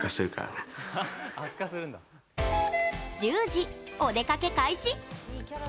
１０時、お出かけ開始！